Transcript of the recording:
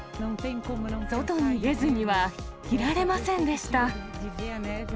外に出ずにはいられませんでした。